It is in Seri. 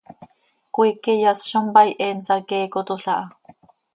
Cmiique yas zo mpaai, he nsaqueecotol aha.